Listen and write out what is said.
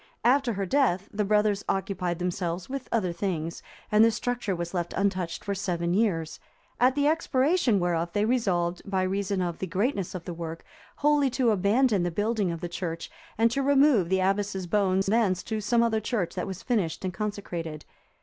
After her death, the brothers occupied themselves with other things, and this structure was left untouched for seven years, at the expiration whereof they resolved, by reason of the greatness of the work, wholly to abandon the building of the church, and to remove the abbess's bones thence to some other church that was finished and consecrated.